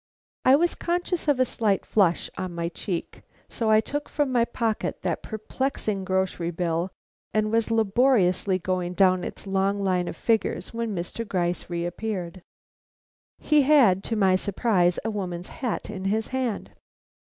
I was conscious of a slight flush on my cheek, so I took from my pocket that perplexing grocer bill and was laboriously going down its long line of figures, when Mr. Gryce reappeared. He had to my surprise a woman's hat in his hand.